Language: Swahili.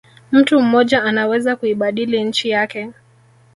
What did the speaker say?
Mtu mmoja anaweza kuibadili nchi yake